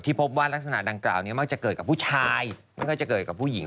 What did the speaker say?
พบว่ารักษณะดังกล่าวนี้มักจะเกิดกับผู้ชายไม่ค่อยจะเกิดกับผู้หญิง